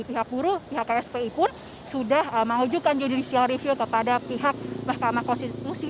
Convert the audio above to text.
pihak buruh pihak kspi pun sudah mengajukan judicial review kepada pihak mahkamah konstitusi